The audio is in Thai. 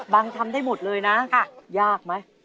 ทำได้หมดเลยนะยากไหม